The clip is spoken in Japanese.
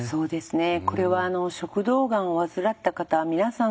これはあの食道がんを患った方は皆さん